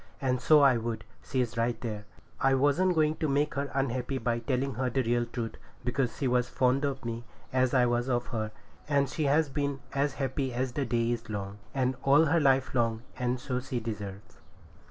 And so I would; she's right there. I wasn't going to make her unhappy by telling her the real truth, because she was as fond of me as I was of her; and she has been as happy as the day is long, all her life long, and so she deserves.